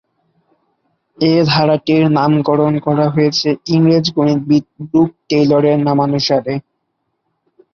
এ ধারাটির নামকরণ করা হয়েছে ইংরেজ গণিতবিদ ব্রুক টেইলরের নামানুসারে।